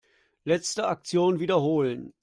Letzte Aktion wiederholen.